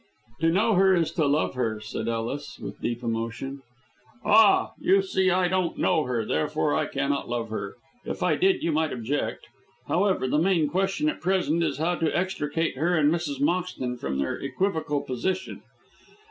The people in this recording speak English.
"To know her is to love her," said Ellis, with deep emotion. "Ah, you see I don't know her, therefore I cannot love her; if I did you might object. However, the main question at present is how to extricate her and Mrs. Moxton from their equivocal position.